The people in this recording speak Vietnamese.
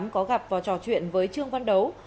có gặp vào trò chuyện với trương văn đấu